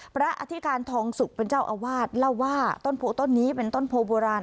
อธิการทองสุกเป็นเจ้าอาวาสเล่าว่าต้นโพต้นนี้เป็นต้นโพโบราณ